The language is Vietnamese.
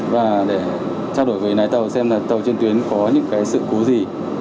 và để trao đổi với lái tàu xem là tàu trên tuyến có những sự cố gì